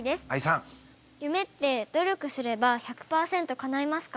夢って努力すれば１００％かないますか？